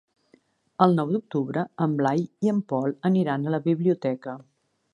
El nou d'octubre en Blai i en Pol aniran a la biblioteca.